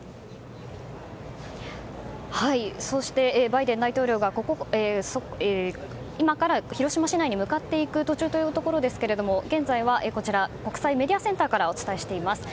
そして、バイデン大統領が今から広島市内に向かっていく途中というところですが現在はこちら現在は国際メディアセンターからお伝えしています。